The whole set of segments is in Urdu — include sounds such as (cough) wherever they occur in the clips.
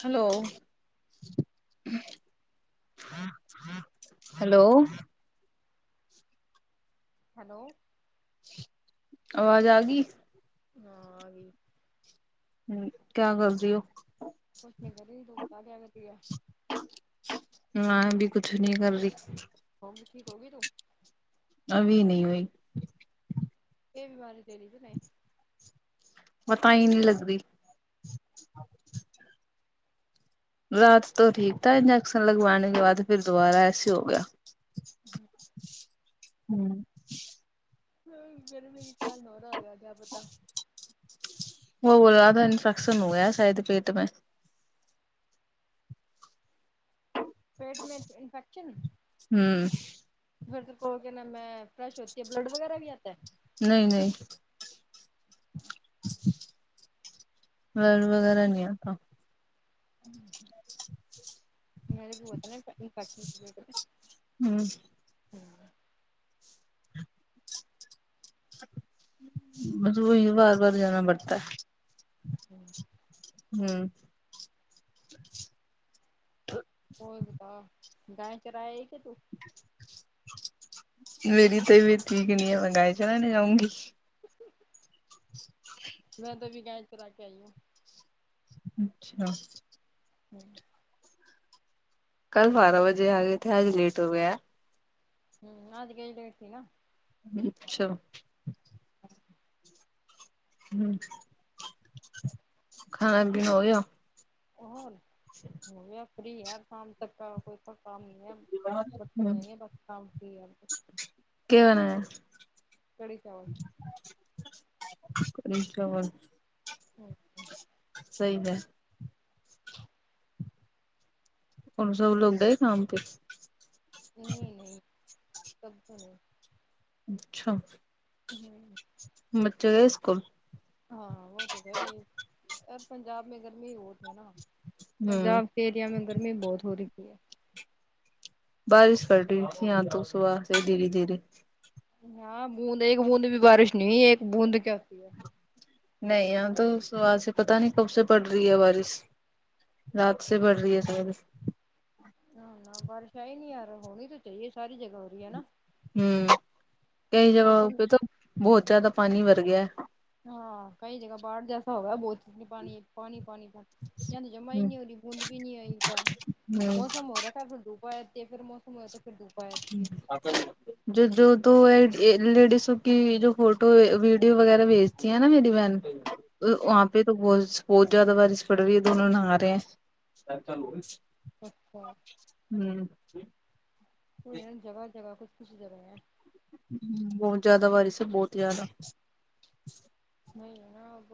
ہلو ہلو ہیلو آواز آ گی ہاں آگںی کیا کر رہی ہو کچھ نہیں کر رہی دو ذیادہ کردیا میں ابھی کچھ نہیں کر رہی ہوگی ٹھیک ہوگی تو ابھی نہیں ہوئی یہ بیماری دے ری بی ناںی پتہ ہی نہیں لگری رات تو ٹھیک تھا انجیکشن لگوانے کے بعد پھر دوبارہ ایسے ہو گیا ہوں ہوں میرے میں کھر نورا آگا کیا پتا وہ وہ زیادہ انفیکشن ہو گیا ہے شاید پیٹ میں پیٹ میں انف انفیکشن ہوں پھر تو کو کیا نا میں فریش ہوتی ہے بلڈ وغیرہ بھی آتا ہے نہیں نہیں بلڈ وغیرہ نہیں آتا ہوں ہوں پہلے بھی ہوا تھا نا انفیکشن کے بیٹ میں ہوں مجھ کو ہی بار بار جانا پڑتا ہے ہوں ہوں ہوتا گائے چرائے ہے کہ تو میری طبعیت ٹھیک نہیں ہے میں گاے چرانے جاؤں گی میں تو ابھی گائے چراکے آئی ہوں اچھا ہوں کل بارہ بجے آ گئے تھے آج لیٹ ہو گیا ہوں آج گئی لیٹ تھی نا اچھا ہوں کھانا پینا ہوگیا اہون ہوگئے اب فری اب شام تک کا کوئی کام نہیں ہے اب برتن دھوے کیا ئینگے کام فری ہے کیا بنایا کڑی چاول کڑی چاول اوکے صحیح ہے ان سب لوگ گئے کام پے نہیں نہیں سب تو نہیں اچھا ہوں بچے گیے اسکول ہاں وہ تو گئے پر پنجاب میں گرمی بہت ہے نا ہوں پنجاب کے ایریا میں گرمی بہت ہو رہی ہے بارش پڑ رہی تھی یہاں تو صبح سے دھیرے دھیرے یہاں بوند ایک بوند بھی بارش نہیں ایک بوند کیا ہوتی ہے نہیں یہاں تو صبح سے پتا نہیں کب سے پڑ رہی ہے بارش رات سے بڑھ رہی ہے شاید یہاں نہ بارش کہیں نہیں ارا ہونی تو چاہیے ساری جگہ ہو رہی ہے نا ہم کئی جگہوں موسم پہ تو بہت زیادہ پانی بر گیا ہے ہاں کئی جگہ باڑھ جیسا ہوگا بہت چز پانی پانی تو جمع ہ ہی نہیں ہو رہی بوند بھی نہیں ا ئی ہ موسم ہو رہا کہ پھر وتی ہے پھر موسم ہو تو پھر دوپا جاتتی ہے ابت جو جو تو لیڈیی ںسکی جو فوٹو ویڈیو وغیرہ بیچتی ہیں نا میری بہن ہاں وہاں پہ تو بوہاس بہت زیادہ بارش پڑ رہی ہے دونوں نہرے رہے اچھا ہم جگہ جگہ کچھ کچھ جگہ ہیں بوھت زیادہ بارش ہے بہت ہی زیادہ نہیں نہ اب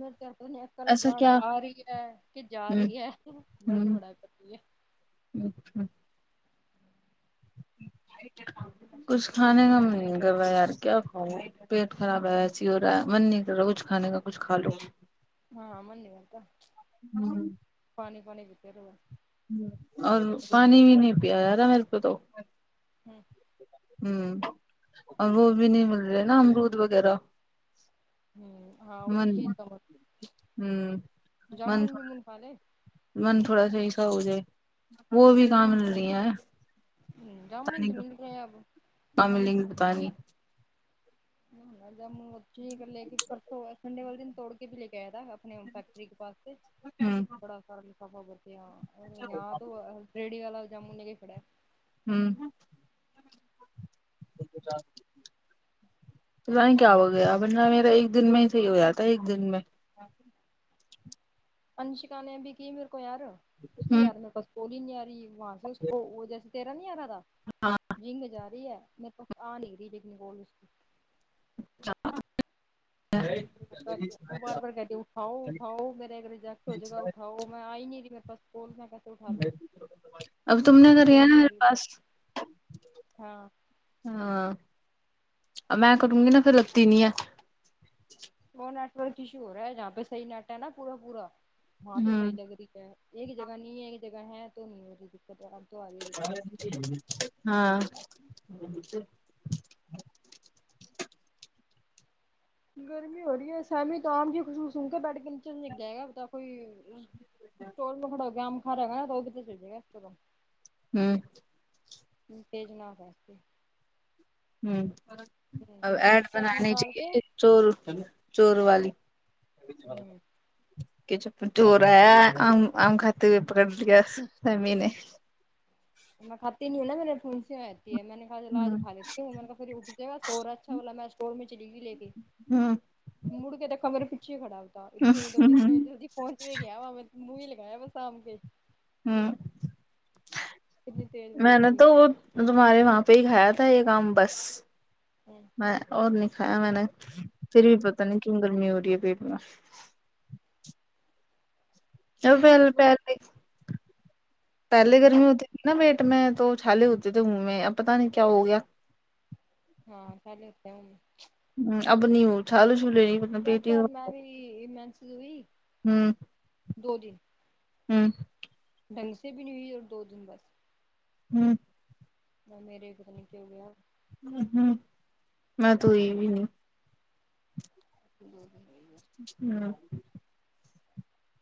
میں کہ کل ایسا جاڑ کیا ا رہی ہے کہ جا ہوں رہی ہے درد ہوں بڑا کرتی ہے کچھ کھانے کا من کرا یار کیا کھاؤں میں پیٹ خراب ہے ایسی ہو رہا ہے من نہیں کر رہا کچھے کا کچھ کھ لو ہاں منی اتھا پانی پانی پیتے ہوئے اور پانی بھی نہیں پیا رہا میرے کو تو ہم ہم ار وہ بھی نہیں مل رہے نا امرود وغیرہ ہم ہاں اسی من چیز کا مت ہوں جامن وہ من کھا لے من تھوڑا صحیح سا ہو جائے وہ بھی کام مل رہی ہیں ہم جامن تو مل رہ ہیں اب املنگ پانی جامن بچی کر لے کے پرسوں سنڈے والے دن توڑ کے بھی لے کے ایا تھا اپنے فٹری کے پاس ہوں بڑا سارا لفافہ بھیا یاد ہو ریڑی والا جامنوں لے کے کھڑا ہے ہم (unintelligible) پتا نہیں کیا ہو گیا بہ میرا ایک دن میں ہی صحیح ہو جیا تھا ایک دن میں انشکا نے بھی کی میرے کو یار کچھ کی ہوں یار میں اولی نہیں ا رہی وہاں سے اس کو وہ جیسے تیرا نہیں رہا تھا ا رنگ میں جا رہی ہے میرے پاس ا نہیں رہی لیکن گول اس کی چہ بار بار کر کے اٹھاؤ اٹھاؤ میرے اگر ریجیکٹ ہو جائے گا اٹھاؤ میں ائی نہیں تی میر پاس بولنے کا اب تم نے کریا کوئی نا نہیں ہو میرے رہی پاس اوپر ہاں ہاں میں کروں گی نہ پھر لتی نہیں ہے وہ نیٹ ورک ایشو ہو رہا ہے جہاں پہ صحیح نیٹ ہے نا پورا پورا وہاں تو ہوں صحیح لگ رہی ہے ایک جگہ نہیں ہے ایک جگہ ہے تو نہیں ہوی دقت اب تو آ رہی دت ہاں گرمی ہو رہی ہے سمی توم جی خصوص سک بیٹ کے ن گئے گا پتا کوئی اسٹول میں کھڑو گے آم کا رہے گا نا توگت چلے گا اسم ہوں تم بھیجنا واسے ہوں ہوں اب میں ایڈ چپ بنانی نکال کے چاہیے چور چور والی ابھی جا رہا تھا ہوں کہ چ چور آیا آم آم کھاتے ہوئے پکڑ لیا سمع نے میں کھاتی نہیں ہو نا میں نے پھونسی آجاتی ہے میں نے اچھا چلا آج ہوں کھا لیتے عمر کا پھر اٹھ جائے گا سورھا اچھا بولا میں اسٹور میں چلی گئی لے کے ہوں مڑ کے دیکھا میرے پیچھے کھڑا ہوتا تھا اتنے ہوں اتنے جلدی پہنچ بھی گیا وان پر منہ نہی لگایا بس آم کے ہوں اتنی تیز وہ میں نے تھی تو وہ تمہارے وہاں پہ ہی کھایا تھا ایک کام بس میں اور نہی کھایا میں نہی پھر بھی پتہ نہیں کیوں گرمی ہورہی ہے پیٹ میں اب پہلے پہلے پہلے گرمی ہوتی نہ بیٹ میں تو چھالے ہوتے تھے منہ میں اب پتا نہیں کیا ہو گیا ہاں پہلے ہوتے ہونگے ہوں اب نہی وہ چھالے چو لے نہیں ہے ڈاکٹر میں بھی مینسی ہوئی دو دن ہوں ڈھنگ سے بھی نہیں ہوئی اور دو دن بس ہوں نہ میرے پتہ نہیں کیا ہو گیا ہون ہوں میں تو ہوئی وی ہوں دو دن ہے ہوں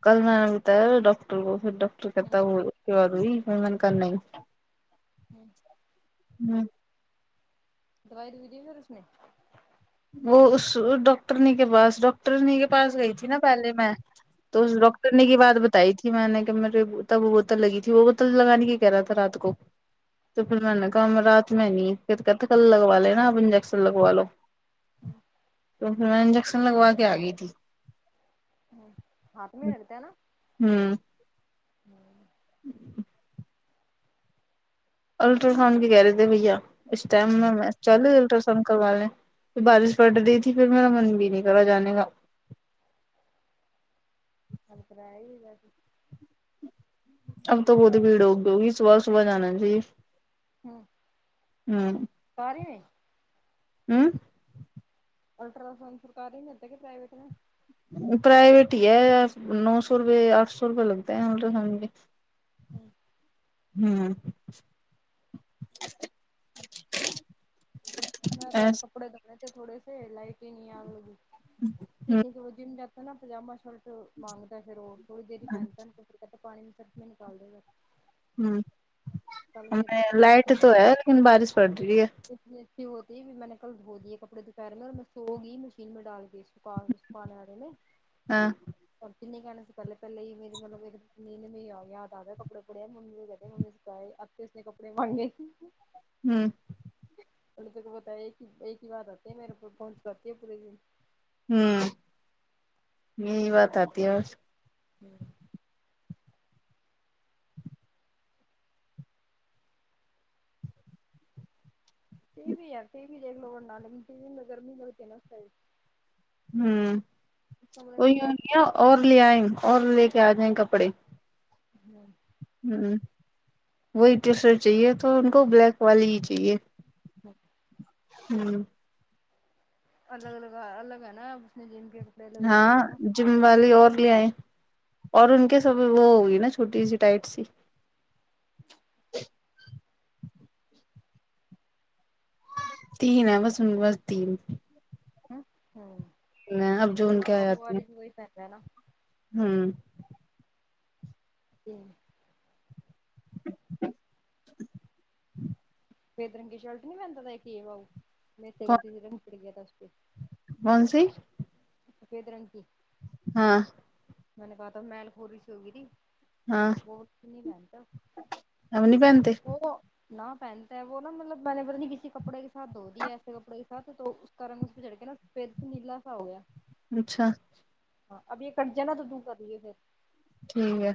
کل میں نے بتایا ڈاکٹر کو پھر ڈاکٹر ہوں کہتا ہو کیا ہوئی میں نے کہا نہی ہوں نہی دوائی دی پھر اس نے وہ اس ڈاکٹرنی کے پاس ڈاکٹرنی کے پاس گئی تھی نا پہلے میں تو اس ہوں ڈاکٹر نی کی بات بتائی تھی میں نے کہ میرے تب وہ بوتل لگی تھی وہ بوتل لگانے کی کہہ رہا تھا رات کو تو ہوں پھر میں نے کہا رات میں نہیں پھر کہتے کل لگوا لے نا آپ انجیکشن لگوا لو ہاں تو پھر میں انجیکشن لگوا کے آ گئی تھی ہ ہاں تو میں ہرتا ہے نا ہوں (inaudible) الٹراساؤنڈ بھی کہہ رہے تھے بھیا اس ٹائم میں چالٹرا کروا لیں پھر بارش پڑ رہی تھی پھر میرا من بھی نہیں کرا جانے کا کل کرا ہی بج اب تو بہت ہی بھیڑ ہوگئی ہوگی صبح صبح جانا چاہیے ہوں ہوں سرکاری میں ہوں الٹراساؤنڈ سرکاری میں کرتے کے پرائیوٹ میں پرائیوٹ ہی ہے نو سو روپئے آٹھ سو روپئے لگتے ہے الٹرا ساوند کے ہوں ہوں ہ تیار کپڑے دھونے تھے تھوڑے سے لائٹیں نہیں آنے لگی پھرسے وه جم جا تھا نا پجامہ شرٹ مانگتا پھر وہ تھوڑی دیر ہی پہنتا ہے پ تو پانی میں سے صرف میں نکال دے گا ہوں کل ہمیں لائٹ تو بھی ہے لیکن بارش پڑ رہی ہے پہ ہوتی ہے میں نے کل دھو دیے کپڑے دوپہرے میں اور میں سو گئی مشین میں ڈال گئی سکھا سکھانے والے نے ہاں اور کتنی کہنے سے پہلے پہلے ہی میں مطلب ایک نے میں یا آیا کپڑے پڑے ممی سے کہتے ممی سے ہے اب کس نے کپڑے مانگے گی ہوں ان نے تو کو بتا ایک ہی ایک ہی بات آتی ہے میرے اوپر پہنچ پاتی ہے پورے دن ہوں یہی بات آتی ہے بس ہوں ٹی وی ہے ٹی وی دیکھ لو ورنہ مگر ٹی وی میں گرمی بہت ہے نا سا ہوں کمرے وہی میں بیٹھ ہوی کے ہے اور لے آئیں اور لے کے آ جائیں کپڑے ہوں ہوں وہی ڈریسر چاہیے تو ان کو بلیک والی ہی چاہیے ہوں ہوں الگ الگ ہے الگ ہے نا اس نے جم کے الگ لگا ہاں لیے نا جم والی اور لے آئے اور ان کے ہوں سب وہ ہوگئی نا چھوٹی سی ٹائٹ سی تین ہے بس انکے پاس تین ہ اب جو ہوں ان (unintelligible) بھی وہی پہنتے ہے نہ ہوں جی سفید رنگ کی شرٹ نہیں پہتا تھا یہ باؤ میرے سے غلطی سے رنگ پڑی چڑ گیا تھا اسپے کونسی سفید رنگ کی ہاں میں نے کہا تھا میل خوری سی ہوگی تھی ہاں وه اتنی نہی پہنتا اب نہیں پہنتے وہ نہ پہنتا ہے وہ نا مطلب میں نے پتا نہیں کسی کپڑے کےساتھ دھو دیا ایسے کپڑے کے ساتھ تو اس کہ رنگ اس پہ چڑ کے نا پھر سے نیلا سا ہو گیا اچھا ہاں ابھی یہ کٹ جائے نہ تو دوسرا کیے پھر ٹھیک ہے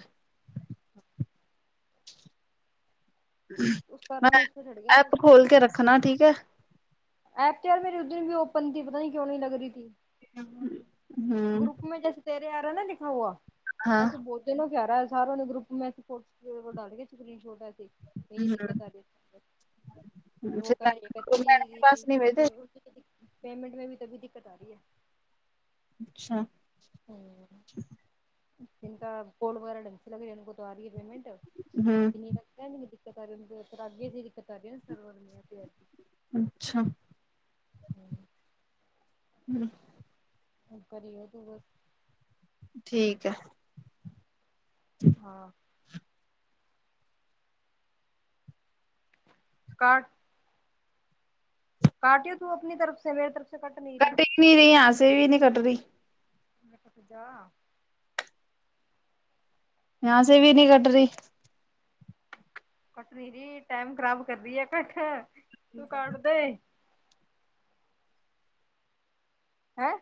اس کا رنگ میں اس پہ چھڑ گیا تو اس ایپ کا رنگ کھول کے الگ رکھنا ہوگیا ٹھیک ہے ایپ چاٹ میرے اس دن بھی اوپن تھی پتا نہیں کیوں نہیں لگ رہی تھی ہ گروپ میں جیسے ترے آ رہا ہیں نا لکھا ہوا ہاں ایسے بہت تنوں کیا رہا ہے ساروں نے گروپ میں فوٹو وه ڈالی ہے سکری شوٹ ایسے یہ دقت ہوں آ رہی ہے وہ کہ رہی ہے کہ کے تھی پاس نہیں بھیجے دیدی پیمنٹ میں بھی تبھی دقت آ رہی ہے اچھا ہوں ان کا کوڈ وغیرہ ڈنسی لگ لیں انکو تو آ رہی ہے پیمنٹ مجھے ہ نہیں لگتا دقت آ رہی آگیی دقت آ رہی ہو سرور میں اچھا (inaudible) ہوں کری ہو تو بہت ٹھیک ہے ہاں کاٹ کاٹیو تو اپنی طرف سے میری طرف سے کٹ نہیں رہی کٹے ہی نہیں نہیں یہاں ںسے بھی نہیں کٹ رہی ارے کٹ جا یہاں سے بھی نہیں کٹ رہی کٹ نی رہی ٹائم خراب کر رہی ہے کٹ تو کاٹ دے ہاں